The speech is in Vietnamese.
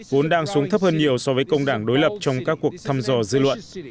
vốn đang xuống thấp hơn nhiều so với công đảng đối lập trong các cuộc